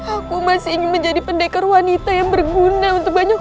aku masih ingin menjadi pendekar wanita yang berguna untuk banyak